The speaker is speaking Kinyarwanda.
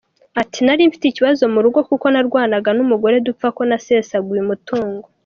Ati “Nari mfite ikibazo mu rugo kuko narwanaga n’umugore dupfa ko nasesaguye umutungo.